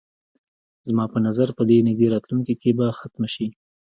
زما په نظر په دې نږدې راتلونکي کې به ختمه شي.